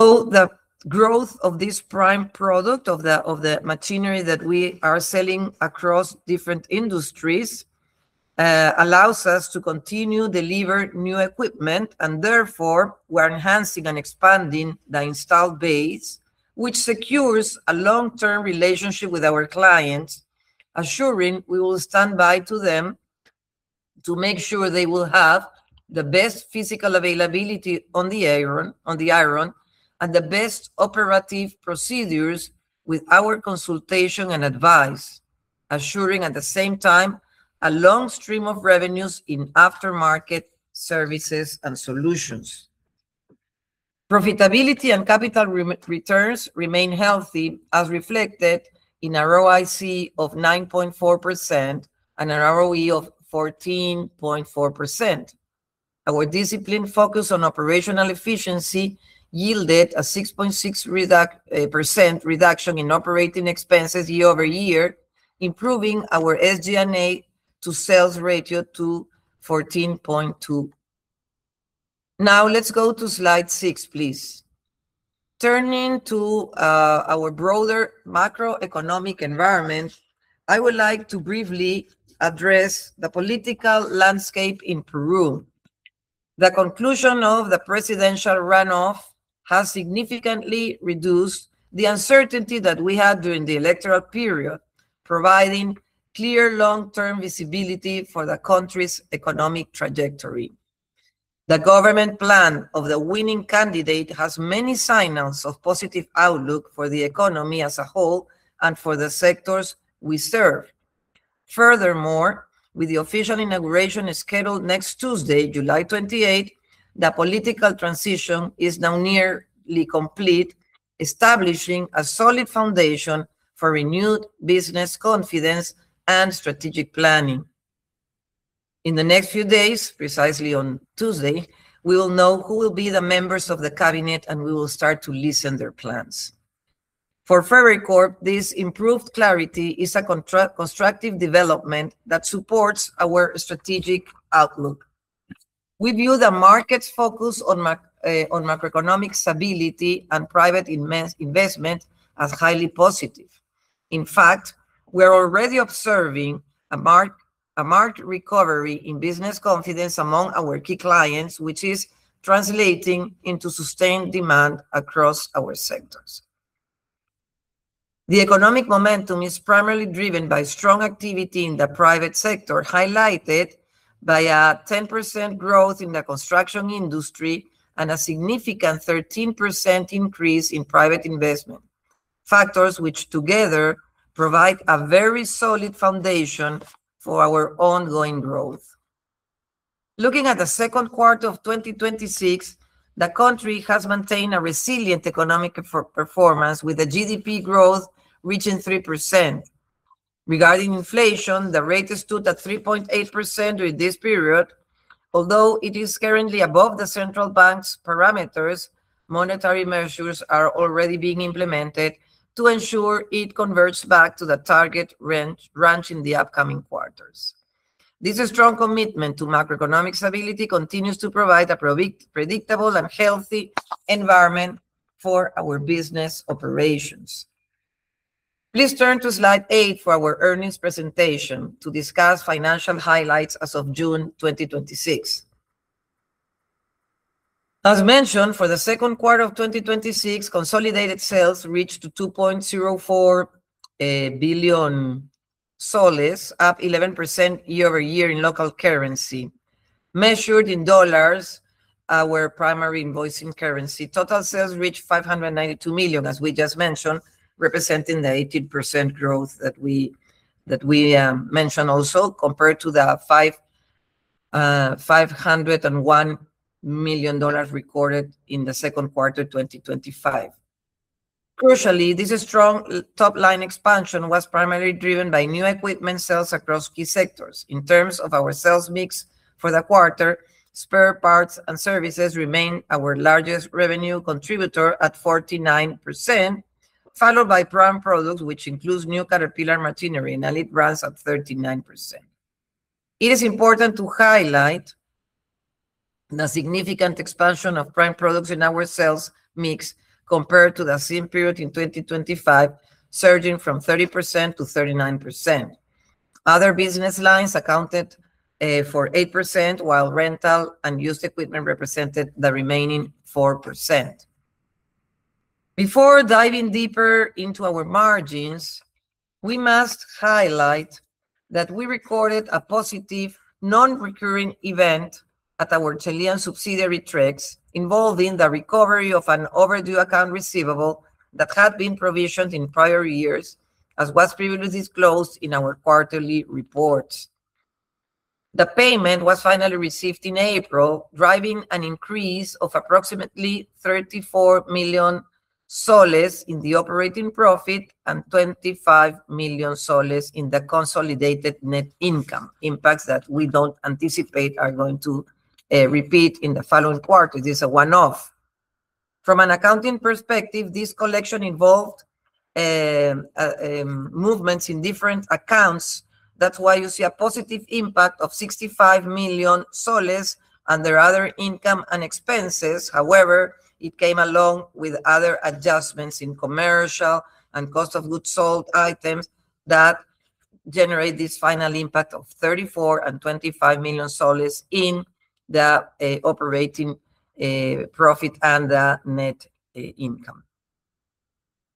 The growth of this prime product of the machinery that we are selling across different industries allows us to continue deliver new equipment, and therefore we're enhancing and expanding the installed base, which secures a long-term relationship with our clients, assuring we will stand by to them to make sure they will have the best Physical Availability on the iron, and the best operative procedures with our consultation and advice. Assuring at the same time a long stream of revenues in aftermarket services and solutions. Profitability and capital returns remain healthy as reflected in our ROIC of 9.4% and an ROE of 14.4%. Our disciplined focus on operational efficiency yielded a 6.6% reduction in operating expenses year-over-year, improving our SGA to sales ratio to 14.2%. Now let's go to slide six, please. Turning to our broader macroeconomic environment, I would like to briefly address the political landscape in Peru. The conclusion of the presidential runoff has significantly reduced the uncertainty that we had during the electoral period, providing clear long-term visibility for the country's economic trajectory. The government plan of the winning candidate has many signs of positive outlook for the economy as a whole and for the sectors we serve. Furthermore, with the official inauguration scheduled next Tuesday, July 28, the political transition is now nearly complete, establishing a solid foundation for renewed business confidence and strategic planning. In the next few days, precisely on Tuesday, we will know who will be the members of the cabinet, and we will start to listen their plans. For Ferreycorp, this improved clarity is a constructive development that supports our strategic outlook. We view the market's focus on macroeconomic stability and private investment as highly positive. In fact, we are already observing a marked recovery in business confidence among our key clients, which is translating into sustained demand across our sectors. The economic momentum is primarily driven by strong activity in the private sector, highlighted by a 10% growth in the construction industry and a significant 13% increase in private investment, factors which together provide a very solid foundation for our ongoing growth. Looking at the second quarter of 2026, the country has maintained a resilient economic performance with the GDP growth reaching 3%. Regarding inflation, the rate stood at 3.8% during this period. Although it is currently above the central bank's parameters, monetary measures are already being implemented to ensure it converts back to the target range in the upcoming quarters. This strong commitment to macroeconomic stability continues to provide a predictable and healthy environment for our business operations. Please turn to slide eight for our earnings presentation to discuss financial highlights as of June 2026. As mentioned, for the second quarter of 2026, consolidated sales reached PEN 2.04 billion, up 11% year-over-year in local currency. Measured in dollars, our primary invoicing currency, total sales reached $592 million, as we just mentioned, representing the 18% growth that we mentioned also, compared to the $501 million recorded in the second quarter 2025. Crucially, this strong top-line expansion was primarily driven by new equipment sales across key sectors. In terms of our sales mix for the quarter, spare parts and services remain our largest revenue contributor at 49%, followed by prime products, which includes new Caterpillar machinery and Allied brands at 39%. It is important to highlight the significant expansion of prime products in our sales mix compared to the same period in 2025, surging from 30% to 39%. Other business lines accounted for 8%, while rental and used equipment represented the remaining 4%. Before diving deeper into our margins, we must highlight that we recorded a positive non-recurring event at our Chilean subsidiary, Trex, involving the recovery of an overdue account receivable that had been provisioned in prior years, as was previously disclosed in our quarterly reports. The payment was finally received in April, driving an increase of approximately PEN 34 million in the operating profit and PEN 25 million in the consolidated net income, impacts that we don't anticipate are going to repeat in the following quarter. This is a one-off. From an accounting perspective, this collection involved movements in different accounts. You see a positive impact of PEN 65 million under other income and expenses. However, it came along with other adjustments in commercial and cost of goods sold items that generate this final impact of PEN 34 million and PEN 25 million in the operating profit and the net income.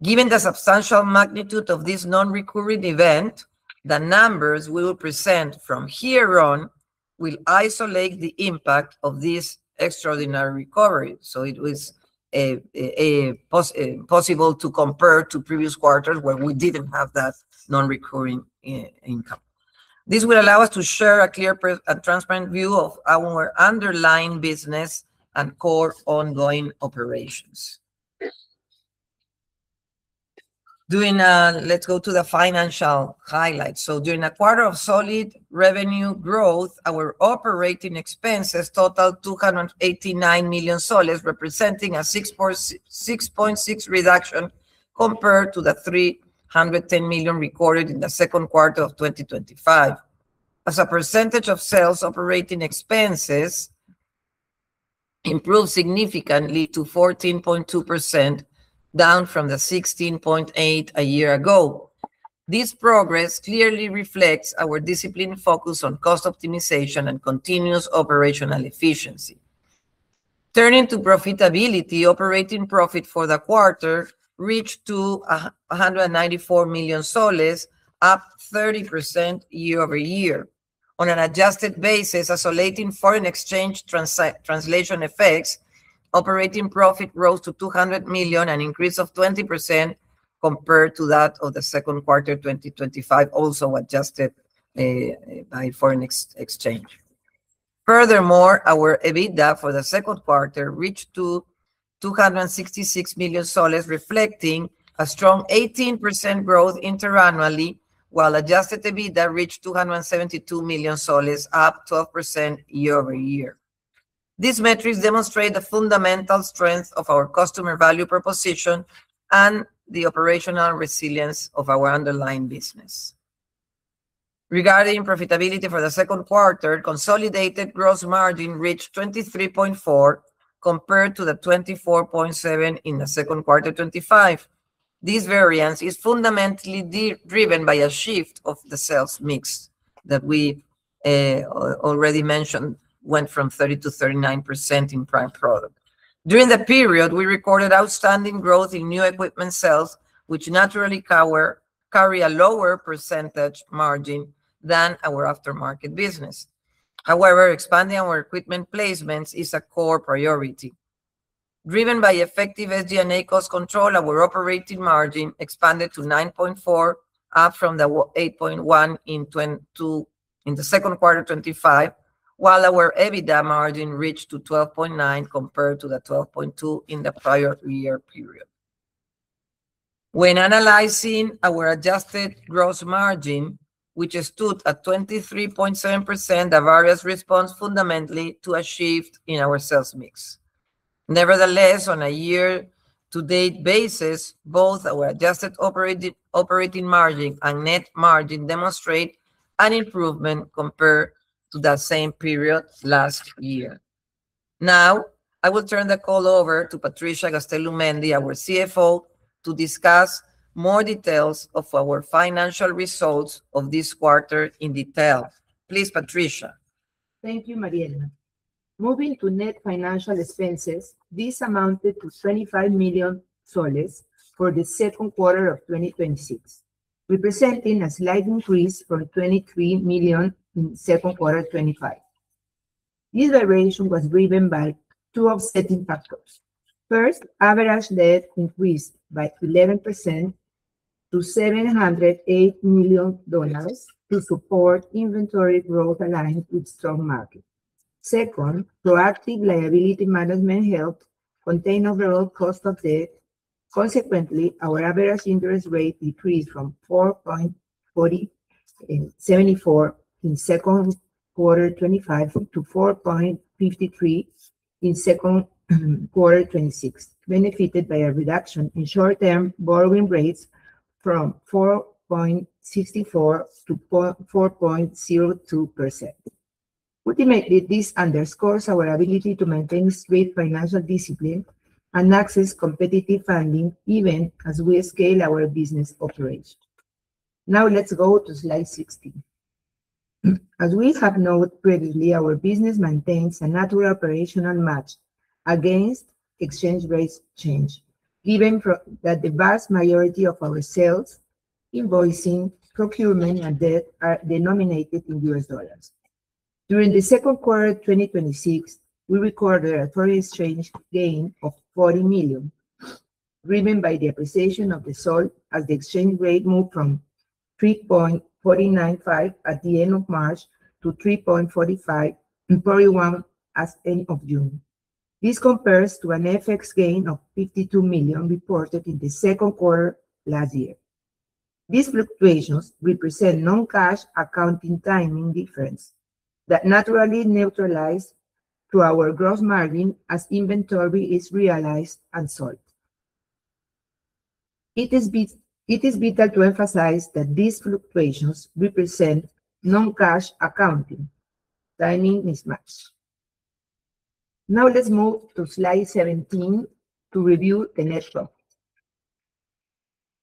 Given the substantial magnitude of this non-recurring event, the numbers we will present from here on will isolate the impact of this extraordinary recovery, so it was possible to compare to previous quarters where we didn't have that non-recurring income. This will allow us to share a clear and transparent view of our underlying business and core ongoing operations. Let's go to the financial highlights. During a quarter of solid revenue growth, our operating expenses totaled PEN 289 million, representing a 6.6% reduction compared to the PEN 310 million recorded in the second quarter of 2025. As a percentage of sales, operating expenses improved significantly to 14.2%, down from the 16.8% a year ago. This progress clearly reflects our disciplined focus on cost optimization and continuous operational efficiency. Turning to profitability, operating profit for the quarter reached to PEN 194 million, up 30% year-over-year. On an adjusted basis, isolating foreign exchange translation effects, operating profit rose to PEN 200 million, an increase of 20% compared to that of the second quarter 2025, also adjusted by foreign exchange. Furthermore, our EBITDA for the second quarter reached to PEN 266 million, reflecting a strong 18% growth interannually, while adjusted EBITDA reached PEN 272 million, up 12% year-over-year. These metrics demonstrate the fundamental strength of our customer value proposition and the operational resilience of our underlying business. Regarding profitability for the second quarter, consolidated gross margin reached 23.4% compared to the 24.7% in the second quarter of 2025. This variance is fundamentally driven by a shift of the sales mix that we already mentioned, went from 30% to 39% in prime product. During the period, we recorded outstanding growth in new equipment sales, which naturally carry a lower percentage margin than our aftermarket business. However, expanding our equipment placements is a core priority. Driven by effective SG&A cost control, our operating margin expanded to 9.4%, up from the 8.1% in the second quarter of 2025, while our EBITDA margin reached to 12.9% compared to the 12.2% in the prior year period. When analyzing our adjusted gross margin, which stood at 23.7%, the variance responds fundamentally to a shift in our sales mix. On a year-to-date basis, both our adjusted operating margin and net margin demonstrate an improvement compared to the same period last year. I will turn the call over to Patricia Gastelumendi, our CFO, to discuss more details of our financial results of this quarter in detail. Please, Patricia. Thank you, Mariel. Moving to net financial expenses, this amounted to PEN 25 million for the second quarter of 2026, representing a slight increase from PEN 23 million in second quarter 2025. This variation was driven by two offsetting factors. First, average debt increased by 11% to $708 million to support inventory growth aligned with strong market. Second, proactive liability management helped contain overall cost of debt. Consequently, our average interest rate decreased from 4.74% in second quarter 2025 to 4.53% in second quarter 2026, benefited by a reduction in short-term borrowing rates from 4.64% to 4.02%. Ultimately, this underscores our ability to maintain strict financial discipline and access competitive funding even as we scale our business operations. Let's go to slide 16. We have noted previously, our business maintains a natural operational match against exchange rates change, given that the vast majority of our sales, invoicing, procurement, and debt are denominated in US dollars. During the second quarter of 2026, we recorded a foreign exchange gain of $40 million, driven by the appreciation of the PEN as the exchange rate moved from 3.495 at the end of March to 3.4541 at end of June. This compares to an FX gain of $52 million reported in the second quarter last year. These fluctuations represent non-cash accounting timing difference that naturally neutralize to our gross margin as inventory is realized and sold. It is vital to emphasize that these fluctuations represent non-cash accounting timing mismatch. Let's move to slide 17 to review the net profit.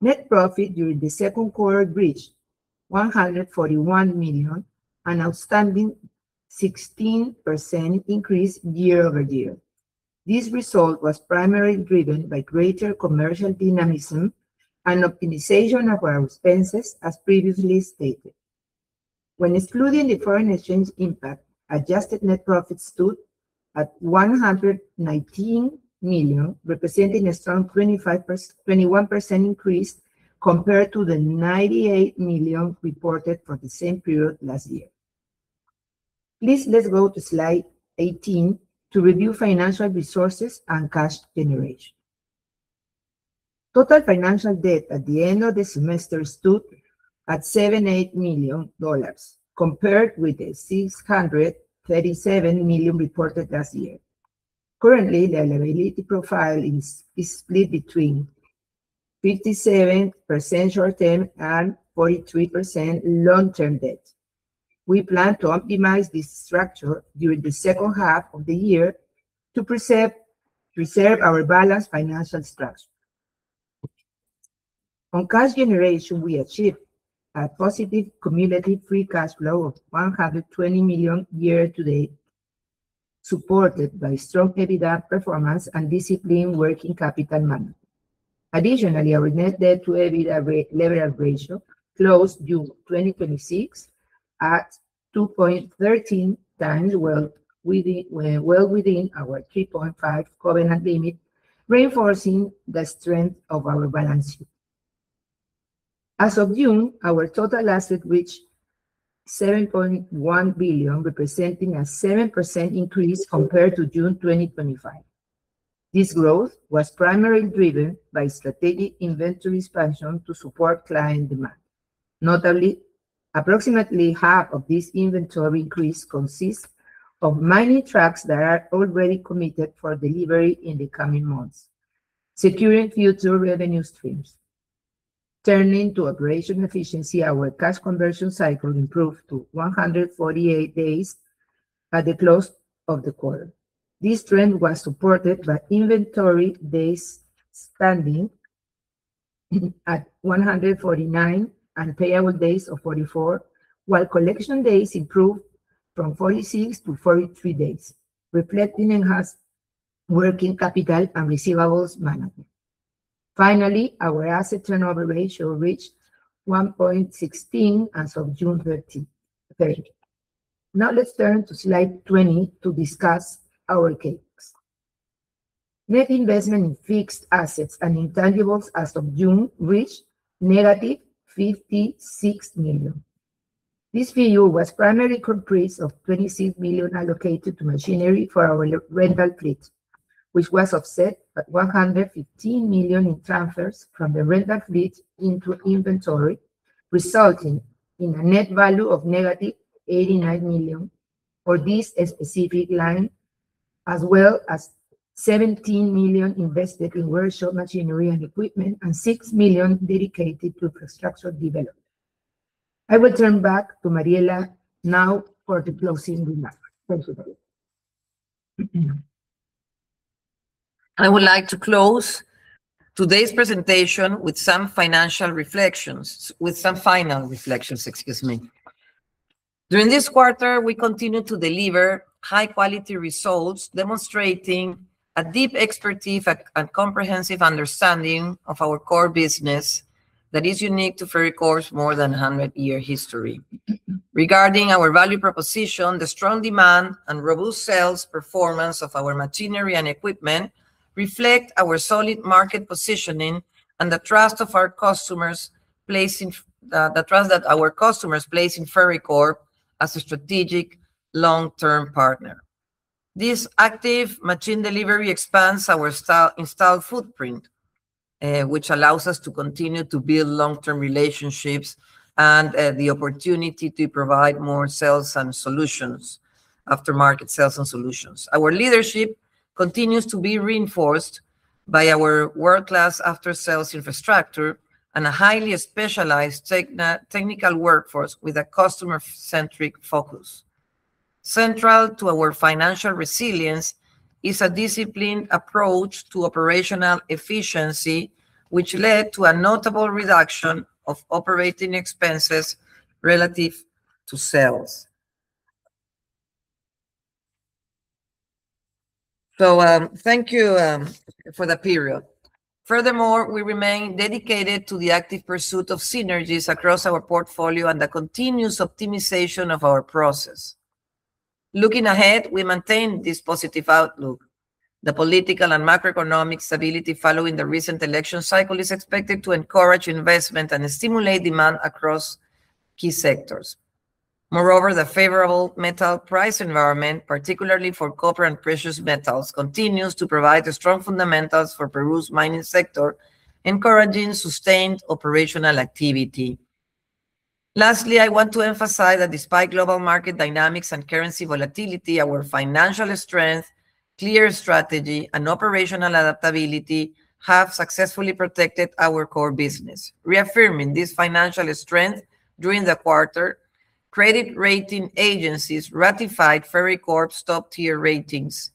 Net profit during the second quarter reached PEN 141 million, an outstanding 16% increase year-over-year. This result was primarily driven by greater commercial dynamism and optimization of our expenses, as previously stated. Excluding the foreign exchange impact, adjusted net profit stood at PEN 119 million, representing a strong 21% increase compared to PEN 98 million reported for the same period last year. Please, let's go to slide 18 to review financial resources and cash generation. Total financial debt at the end of the semester stood at $708 million, compared with $637 million reported last year. Currently, the liability profile is split between 57% short-term and 43% long-term debt. We plan to optimize this structure during the second half of the year to preserve our balanced financial structure. On cash generation, we achieved a positive cumulative Free Cash Flow of PEN 120 million year-to-date, supported by strong EBITDA performance and disciplined working capital management. Additionally, our Net Debt to EBITDA leverage ratio closed June 2026 at 2.13 times, well within our 3.5 covenant limit, reinforcing the strength of our balance sheet. As of June, our total assets reached PEN 7.1 billion, representing a 7% increase compared to June 2025. This growth was primarily driven by strategic inventory expansion to support client demand. Notably, approximately half of this inventory increase consists of mining trucks that are already committed for delivery in the coming months, securing future revenue streams. Turning to operation efficiency, our Cash Conversion Cycle improved to 148 days at the close of the quarter. This trend was supported by inventory days standing at 149 and payable days of 44, while collection days improved from 46 to 43 days, reflecting enhanced working capital and receivables management. Finally, our Asset Turnover Ratio reached 1.16 as of June 30. Let's turn to slide 20 to discuss our CAPEX. Net investment in fixed assets and intangibles as of June reached negative PEN 56 million. This figure was primarily comprised of PEN 26 million allocated to machinery for our rental fleet, which was offset by PEN 115 million in transfers from the rental fleet into inventory, resulting in a net value of negative PEN 89 million for this specific line, as well as PEN 17 million invested in workshop machinery and equipment and PEN 6 million dedicated to infrastructure development. I will turn back to Mariela now for the closing remarks. Thank you. I would like to close today's presentation with some financial reflections. With some final reflections, excuse me. During this quarter, we continued to deliver high-quality results, demonstrating a deep expertise and comprehensive understanding of our core business that is unique to Ferreycorp's more than 100-year history. Regarding our value proposition, the strong demand and robust sales performance of our machinery and equipment reflect our solid market positioning and the trust that our customers place in Ferreycorp as a strategic long-term partner. This active machine delivery expands our installed footprint, which allows us to continue to build long-term relationships and the opportunity to provide more sales and solutions, aftermarket sales and solutions. Our leadership continues to be reinforced by our world-class after-sales infrastructure and a highly specialized technical workforce with a customer-centric focus. Central to our financial resilience is a disciplined approach to operational efficiency, which led to a notable reduction of operating expenses relative to sales. Thank you for the period. Furthermore, we remain dedicated to the active pursuit of synergies across our portfolio and the continuous optimization of our process. Looking ahead, we maintain this positive outlook. The political and macroeconomic stability following the recent election cycle is expected to encourage investment and stimulate demand across key sectors. Moreover, the favorable metal price environment, particularly for copper and precious metals, continues to provide the strong fundamentals for Peru's mining sector, encouraging sustained operational activity. Lastly, I want to emphasize that despite global market dynamics and currency volatility, our financial strength, clear strategy, and operational adaptability have successfully protected our core business. Reaffirming this financial strength during the quarter, credit rating agencies ratified Ferreycorp's top-tier ratings.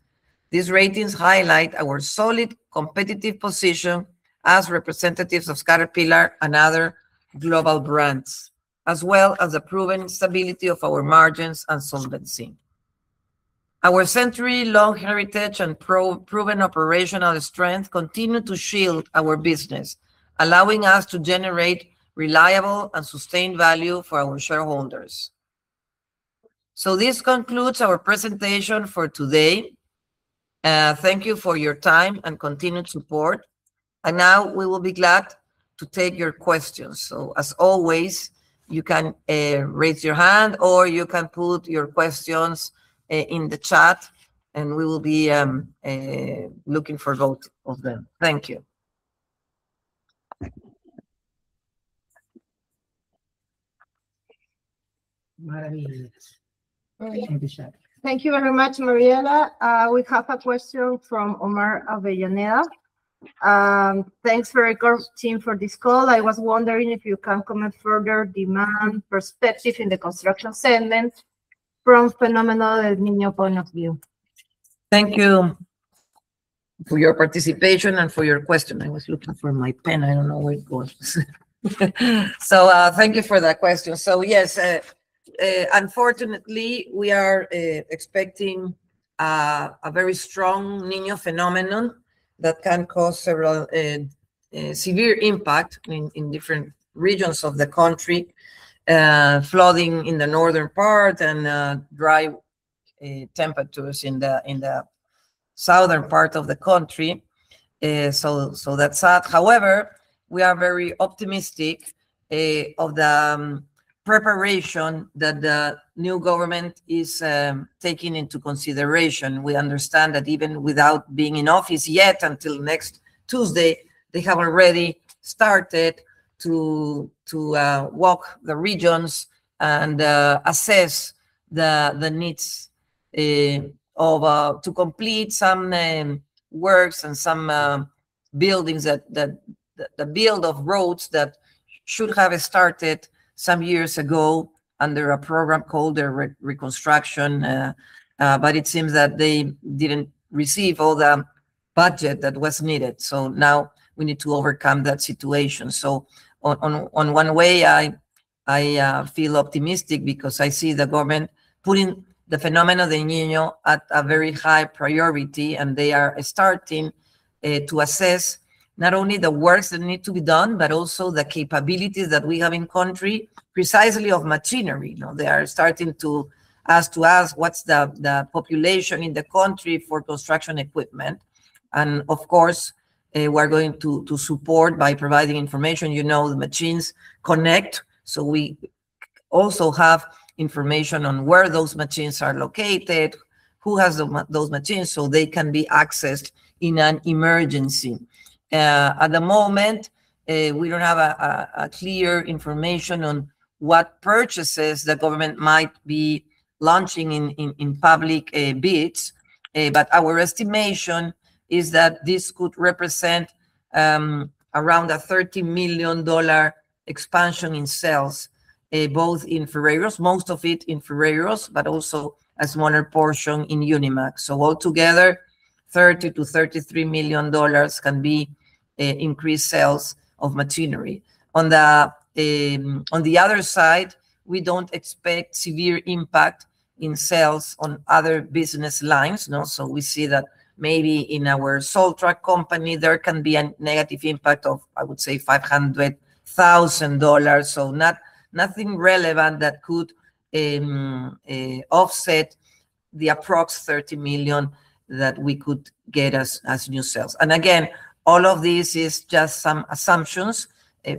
These ratings highlight our solid competitive position as representatives of Caterpillar and other global brands, as well as the proven stability of our margins and solvency. Our century-long heritage and proven operational strength continue to shield our business, allowing us to generate reliable and sustained value for our shareholders. This concludes our presentation for today. Thank you for your time and continued support, and now we will be glad to take your questions. As always, you can raise your hand, or you can put your questions in the chat, and we will be looking for both of them. Thank you. Maravillas. Okay. Thank you very much, Mariela. We have a question from Omar Avellaneda. Thanks Ferreycorp team for this call. I was wondering if you can comment further demand perspective in the construction segment from phenomenon El Niño point of view. Thank you for your participation and for your question. I was looking for my pen. I don't know where it goes. Thank you for that question. Yes, unfortunately, we are expecting a very strong El Niño phenomenon that can cause several severe impact in different regions of the country, flooding in the northern part and dry temperatures in the southern part of the country. That's sad. However, we are very optimistic of the preparation that the new government is taking into consideration. We understand that even without being in office yet until next Tuesday, they have already started to walk the regions and assess the needs to complete some works and some buildings, the build of roads that should have started some years ago under a program called the Reconstruction, but it seems that they didn't receive all the budget that was needed. Now we need to overcome that situation. On one way, I feel optimistic because I see the government putting the phenomenon of El Niño at a very high priority, and they are starting to assess not only the works that need to be done, but also the capabilities that we have in country, precisely of machinery. They are starting to ask us what's the population in the country for construction equipment, and, of course, we're going to support by providing information. The machines connect, so we also have information on where those machines are located, who has those machines, so they can be accessed in an emergency. At the moment, we don't have clear information on what purchases the government might be launching in public bids, but our estimation is that this could represent around a $30 million expansion in sales, both in Ferreyros, most of it in Ferreyros, but also a smaller portion in Unimaq. All together, $30 million-$33 million can be increased sales of machinery. On the other side, we don't expect severe impact in sales on other business lines. We see that maybe in our Soltrak company, there can be a negative impact of, I would say, $500,000. Nothing relevant that could offset the approx $30 million that we could get as new sales. Again, all of this is just some assumptions.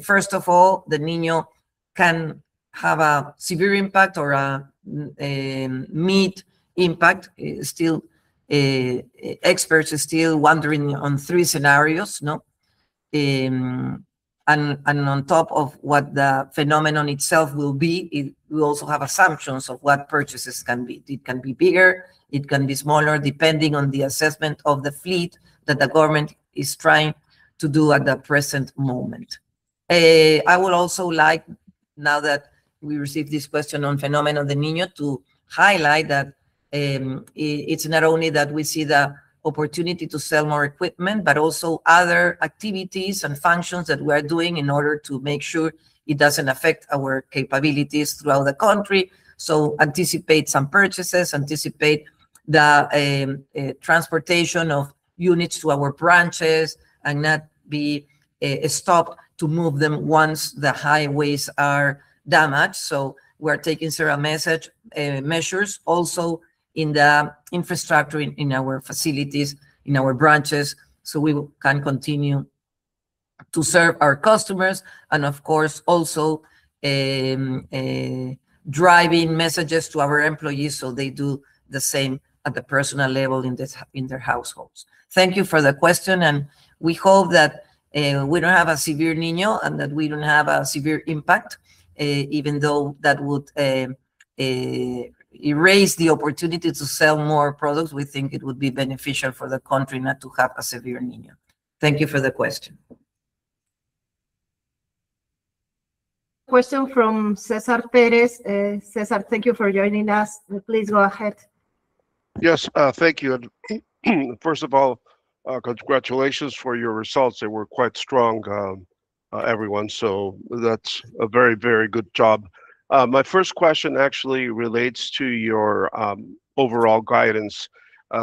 First of all, El Niño can have a severe impact or a mid impact. Experts are still wondering on three scenarios. On top of what the phenomenon itself will be, we also have assumptions of what purchases can be. It can be bigger, it can be smaller, depending on the assessment of the fleet that the government is trying to do at the present moment. I would also like, now that we received this question on El Niño, to highlight that it's not only that we see the opportunity to sell more equipment, but also other activities and functions that we are doing in order to make sure it doesn't affect our capabilities throughout the country. Anticipate some purchases, anticipate the transportation of units to our branches, and not be stopped to move them once the highways are damaged. We're taking certain measures also in the infrastructure in our facilities, in our branches, so we can continue to serve our customers, and of course, also driving messages to our employees so they do the same at the personal level in their households. Thank you for the question, and we hope that we don't have a severe El Niño and that we don't have a severe impact, even though that would erase the opportunity to sell more products. We think it would be beneficial for the country not to have a severe El Niño. Thank you for the question. Question from Cesar Perez. Cesar, thank you for joining us. Please go ahead. Thank you. First of all, congratulations for your results. They were quite strong, everyone, so that's a very good job. My first question actually relates to your overall guidance.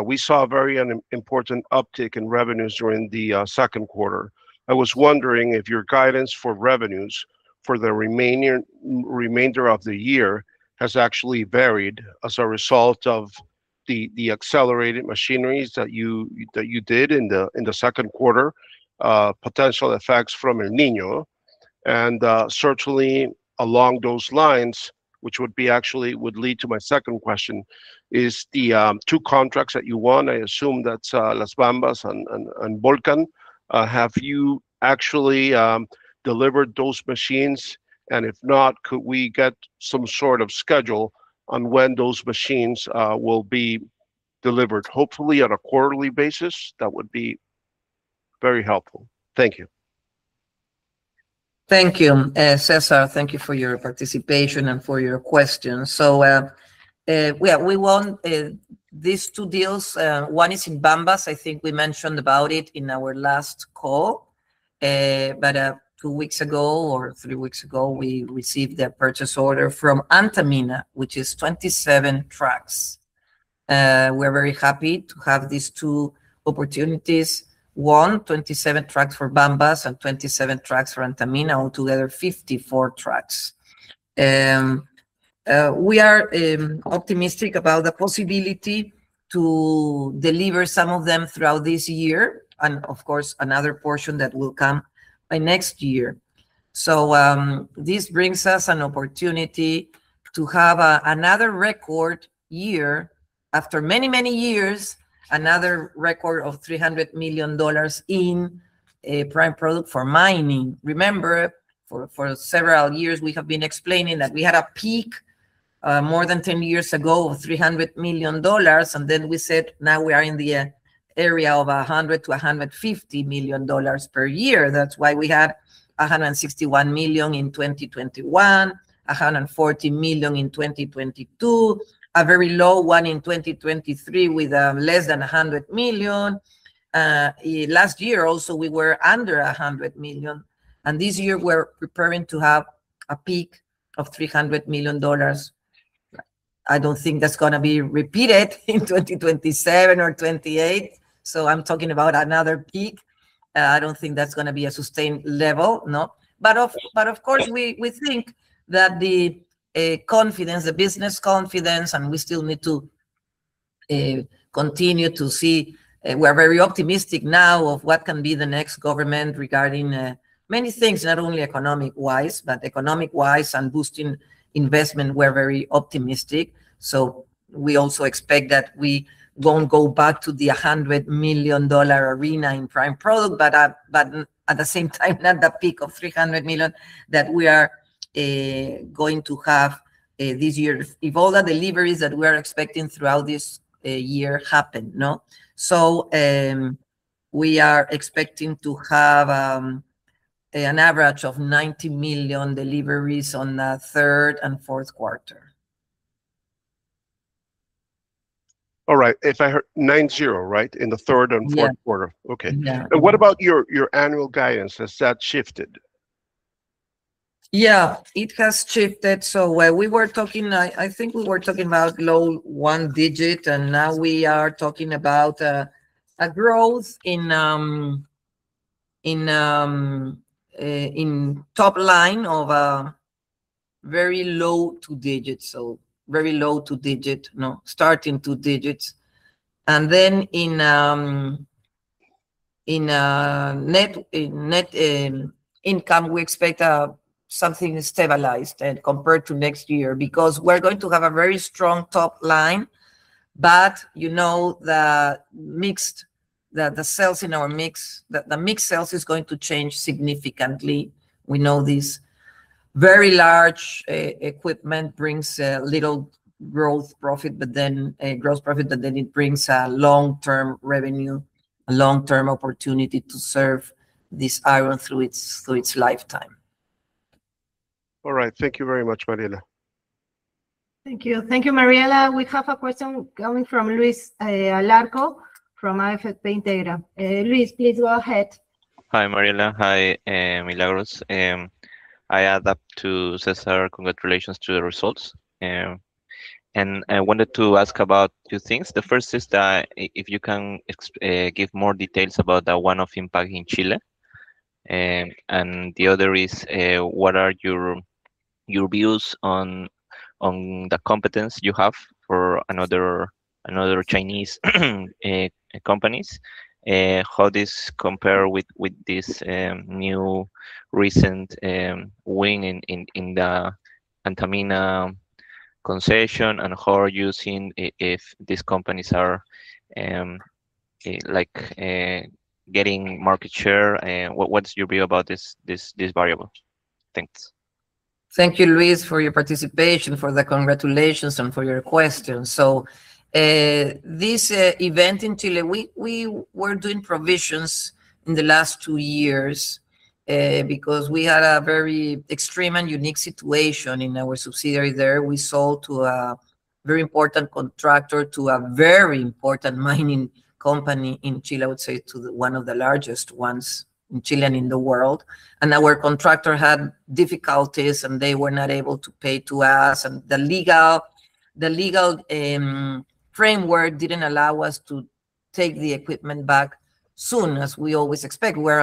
We saw a very important uptick in revenues during the second quarter. I was wondering if your guidance for revenues for the remainder of the year has actually varied as a result of the accelerated machineries that you did in the second quarter, potential effects from El Niño, and certainly along those lines, which would lead to my second question, is the two contracts that you won, I assume that's Las Bambas and Volcan, have you actually delivered those machines? If not, could we get some sort of schedule on when those machines will be delivered? Hopefully on a quarterly basis. That would be very helpful. Thank you. Thank you, Cesar. Thank you for your participation and for your questions. We won these two deals. One is in Bambas. I think we mentioned about it in our last call. About two weeks ago, or three weeks ago, we received a purchase order from Antamina, which is 27 trucks. We are very happy to have these two opportunities. One, 27 trucks for Bambas and 27 trucks for Antamina, altogether 54 trucks. We are optimistic about the possibility to deliver some of them throughout this year and, of course, another portion that will come by next year. This brings us an opportunity to have another record year after many years, another record of $300 million in a prime product for mining. Remember, for several years, we have been explaining that we had a peak, more than 10 years ago, of $300 million. We said now we are in the area of $100 million-$150 million per year. That's why we had $161 million in 2021, $140 million in 2022, a very low one in 2023 with less than $100 million. Last year also, we were under $100 million. This year we are preparing to have a peak of $300 million. I don't think that's going to be repeated in 2027 or 2028. I am talking about another peak. I don't think that's going to be a sustained level, no. We think that the business confidence. We are very optimistic now of what can be the next government regarding many things, not only economic-wise, but economic-wise and boosting investment, we are very optimistic. We also expect that we won't go back to the $100 million arena in prime product, but at the same time, at the peak of $300 million that we are going to have this year, if all the deliveries that we are expecting throughout this year happen, no? We are expecting to have an average of 90 million deliveries on the third and fourth quarter. All right. If I heard, 90, right? In the third and fourth- Yeah quarter. Okay. Yeah. What about your annual guidance? Has that shifted? Yeah, it has shifted. I think we were talking about low one digit, and now we are talking about a growth in top line of a very low two digits. Very low two digit, no? Starting two digits. In net income, we expect something stabilized compared to next year, because we're going to have a very strong top line. You know that the mixed sales is going to change significantly. We know this. Very large equipment brings a little gross profit, but then it brings a long-term revenue, a long-term opportunity to serve this iron through its lifetime. All right. Thank you very much, Mariela. Thank you, Mariela. We have a question coming from Luis Alarco from AFP Integra. Luis, please go ahead. Hi, Mariela. Hi, Milagros. I add up to Cesar, congratulations to the results. I wanted to ask about two things. The first is that if you can give more details about the one-off impact in Chile, the other is what are your views on the competence you have for other Chinese companies. How does this compare with this new recent win in the Antamina concession, and how are you seeing if these companies are getting market share? What's your view about these variables? Thanks. Thank you, Luis, for your participation, for the congratulations, and for your question. This event in Chile, we were doing provisions in the last two years because we had a very extreme and unique situation in our subsidiary there. We sold to a very important contractor to a very important mining company in Chile, I would say to one of the largest ones in Chile and in the world. Our contractor had difficulties, they were not able to pay us, the legal framework didn't allow us to take the equipment back soon as we always expect. We're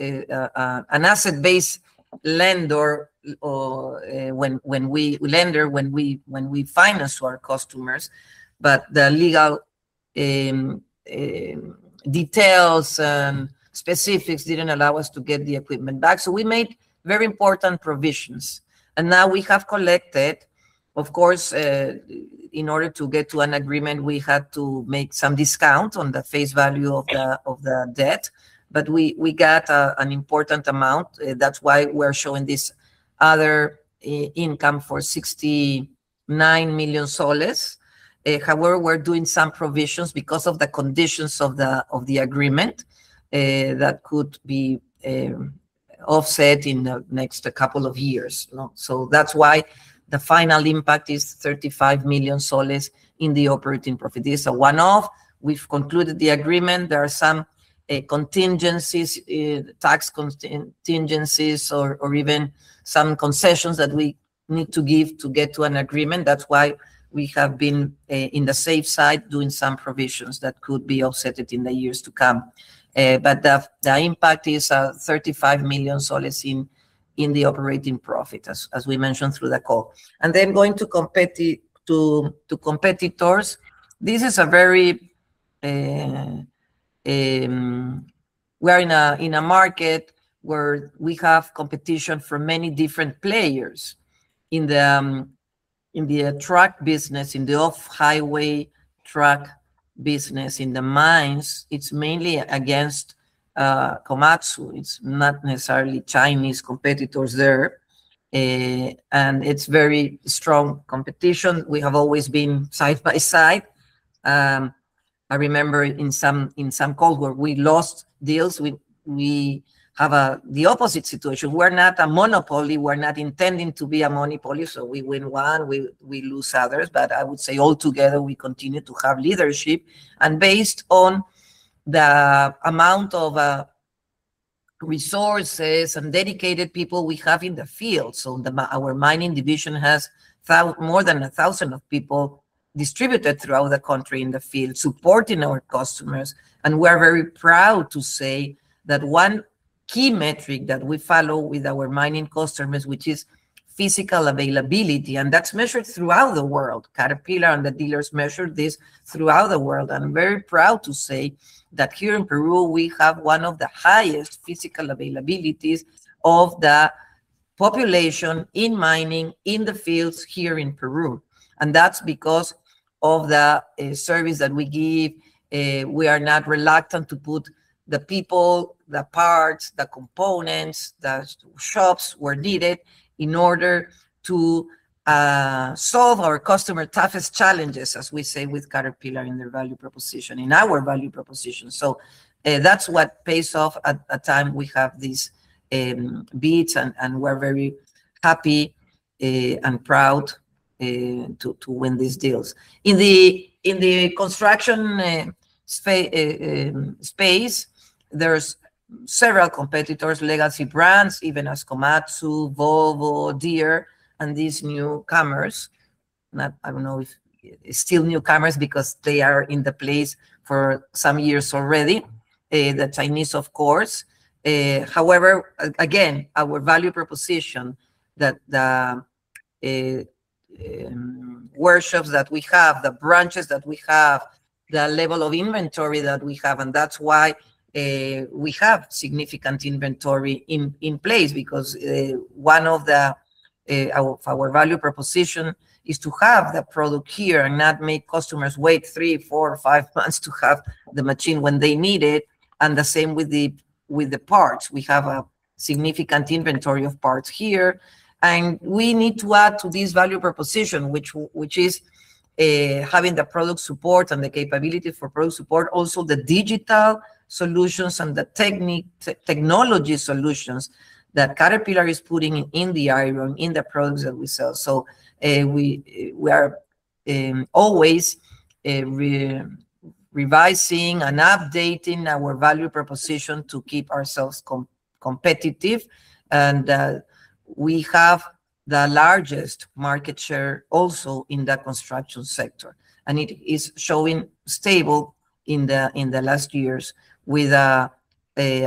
an asset-based lender when we finance to our customers, the legal details and specifics didn't allow us to get the equipment back. We made very important provisions, now we have collected. Of course, in order to get to an agreement, we had to make some discount on the face value of the debt, but we got an important amount. That's why we're showing this other income for PEN 69 million. We're doing some provisions because of the conditions of the agreement that could be offset in the next couple of years. That's why the final impact is PEN 35 million in the operating profit. This is a one-off. We've concluded the agreement. There are some contingencies, tax contingencies or even some concessions that we need to give to get to an agreement. That's why we have been in the safe side doing some provisions that could be offset in the years to come. The impact is PEN 35 million in the operating profit, as we mentioned through the call. Going to competitors, we're in a market where we have competition from many different players. In the truck business, in the off-highway truck business, in the mines, it's mainly against Komatsu. It's not necessarily Chinese competitors there. It's very strong competition. We have always been side by side. I remember in some call where we lost deals, we have the opposite situation. We're not a monopoly. We're not intending to be a monopoly. We win one, we lose others. I would say altogether, we continue to have leadership. Based on the amount of resources and dedicated people we have in the field, so our mining division has more than 1,000 people distributed throughout the country in the field supporting our customers. We're very proud to say that one key metric that we follow with our mining customers, which is Physical Availability, and that's measured throughout the world. Caterpillar and the dealers measure this throughout the world. I'm very proud to say that here in Peru, we have one of the highest Physical Availabilities of the population in mining in the fields here in Peru. That's because of the service that we give. We are not reluctant to put the people, the parts, the components, the shops where needed in order to solve our customers' toughest challenges, as we say with Caterpillar in their value proposition, in our value proposition. That's what pays off at times we have these bids, and we're very happy and proud to win these deals. In the construction space, there's several competitors, legacy brands, even as Komatsu, Volvo, Deere, and these newcomers. I don't know if still newcomers because they are in the place for some years already. The Chinese, of course. Again, our value proposition that the workshops that we have, the branches that we have, the level of inventory that we have, and that's why we have significant inventory in place because one of our value proposition is to have the product here and not make customers wait three, four, or five months to have the machine when they need it, and the same with the parts. We have a significant inventory of parts here, and we need to add to this value proposition, which is having the product support and the capability for product support, also the digital solutions and the technology solutions that Caterpillar is putting in the iron, in the products that we sell. We are always revising and updating our value proposition to keep ourselves competitive. We have the largest market share also in the construction sector. It is showing stable in the last years with a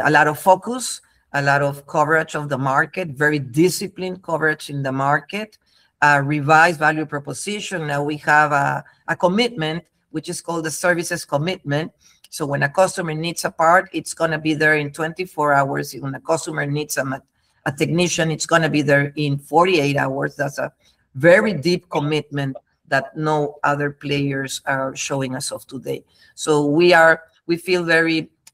lot of focus, a lot of coverage of the market, very disciplined coverage in the market, a revised value proposition. We have a commitment, which is called the Service Commitment. When a customer needs a part, it's going to be there in 24 hours. When a customer needs a technician, it's going to be there in 48 hours. That's a very deep commitment that no other players are showing us of today. We feel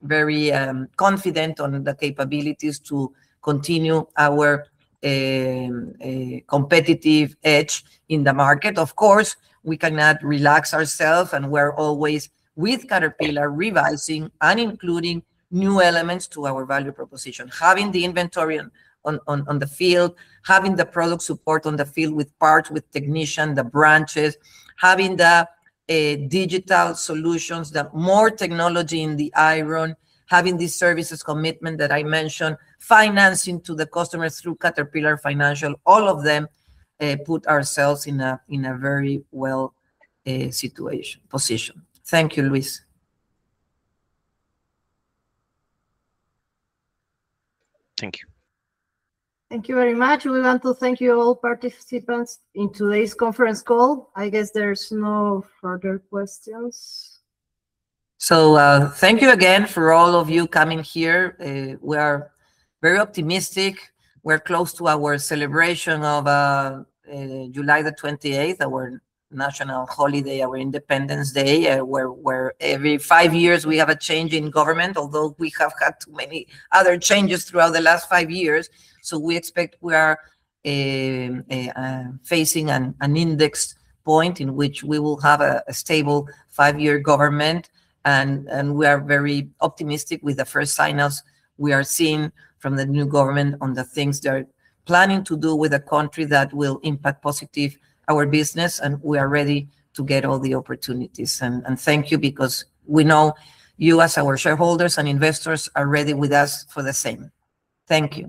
very confident on the capabilities to continue our competitive edge in the market. Of course, we cannot relax ourselves, and we're always, with Caterpillar, revising and including new elements to our value proposition. Having the inventory on the field, having the product support on the field with parts, with technicians, the branches. Having the digital solutions, the more technology in the iron, having these Service Commitment that I mentioned, financing to the customers through Caterpillar Financial, all of them put ourselves in a very well position. Thank you, Luis. Thank you. Thank you very much. We want to thank you all participants in today's conference call. I guess there's no further questions. Thank you again for all of you coming here. We are very optimistic. We're close to our celebration of July the 28th, our national holiday, our Independence Day, where every five years we have a change in government, although we have had too many other changes throughout the last five years. We expect we are facing an index point in which we will have a stable five-year government, and we are very optimistic with the first signs we are seeing from the new government on the things they're planning to do with the country that will impact positive our business, and we are ready to get all the opportunities. Thank you because we know you, as our shareholders and investors, are ready with us for the same. Thank you.